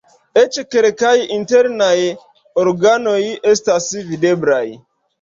Eĉ kelkaj internaj organoj estas videblaj.